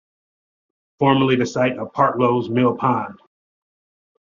Formerly the site of Partlo's mill pond.